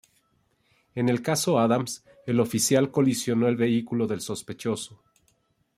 En el caso "Adams", el oficial colisionó el vehículo del sospechoso.